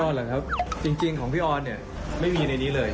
เหรอครับจริงของพี่ออนเนี่ยไม่มีในนี้เลย